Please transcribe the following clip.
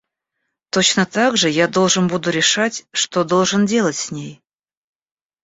Точно так же я должен буду решать, что должен делать с ней.